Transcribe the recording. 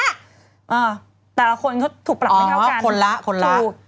เออแต่คนก็ถูกปรับไม่เท่ากันอ๋อคนละคนละ